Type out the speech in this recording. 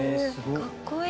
かっこいい。